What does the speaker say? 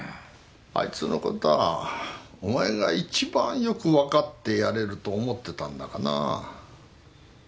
あいつのことはお前が一番よくわかってやれると思ってたんだがな。